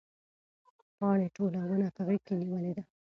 پاڼې ټوله ونه په غېږ کې نیولې ده.